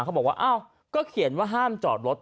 เขาบอกว่าอ้าวก็เขียนว่าห้ามจอดรถ